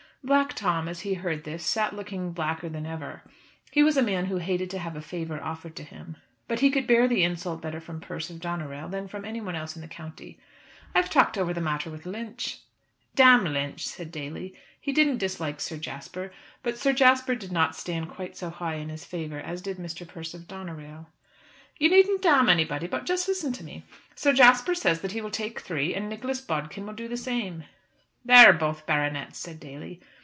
Black Tom, as he heard this, sat still looking blacker than ever. He was a man who hated to have a favour offered to him. But he could bear the insult better from Persse of Doneraile than from anyone else in the county. "I've talked the matter over with Lynch " "D Lynch," said Daly. He didn't dislike Sir Jasper, but Sir Jasper did not stand quite so high in his favour as did Mr. Persse of Doneraile. "You needn't d anybody; but just listen to me. Sir Jasper says that he will take three, and Nicholas Bodkin will do the same." "They are both baronets," said Daly.